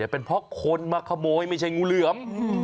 เป็นเพราะคนมาขโมยไม่ใช่งูเหลือม